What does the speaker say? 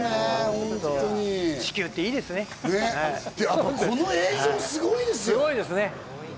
そして、この映像すごいですよ。